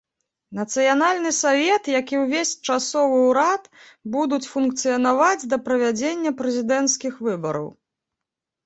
Нацыянальны савет, як і ўвесь часовы ўрад, будуць функцыянаваць да правядзення прэзідэнцкіх выбараў.